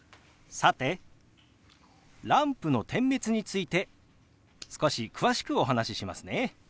さてランプの点滅について少し詳しくお話ししますね。